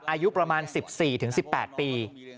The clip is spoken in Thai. อายุประมาณ๑๔๑๘ปี